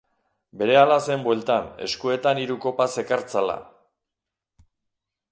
Berehala zen bueltan, eskuetan hiru kopa zekartzala.